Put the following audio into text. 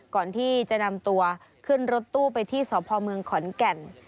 ก่อนที่จะนำตัวขึ้นรถตู้ไปที่สพเมืองขอนแก่น